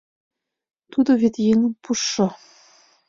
— Тудо вет еҥым пуштшо.